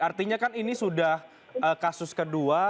artinya kan ini sudah kasus kedua